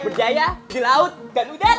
berjaya di laut dan udara